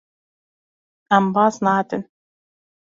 Em baz nadin.